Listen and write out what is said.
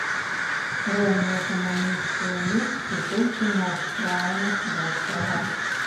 Роўныя камяністыя месцы толькі на ўскраінах вострава.